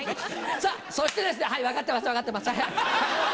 さあ、そしてですね、はい、分かってます、分かってます。